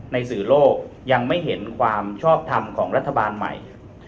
สื่อโลกยังไม่เห็นความชอบทำของรัฐบาลใหม่